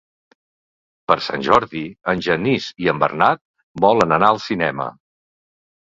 Per Sant Jordi en Genís i en Bernat volen anar al cinema.